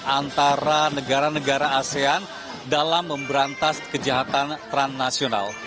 antara negara negara asean dalam memberantas kejahatan transnasional